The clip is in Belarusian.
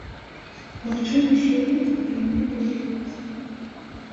Магчыма, сёлета атрымае другі раз.